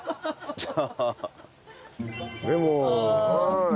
じゃあ。